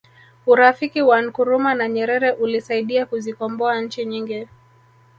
urafiki wa nkrumah na nyerere ulisaidia kuzikomboa nchi nyingi